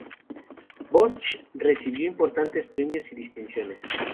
Bosch recibió importantes premios y distinciones.